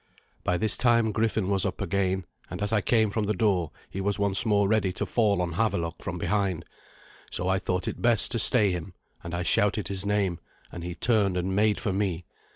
By this time Griffin was up again, and as I came from the door he was once more ready to fall on Havelok from behind. So I thought it best to stay him, and I shouted his name, and he turned and made for me.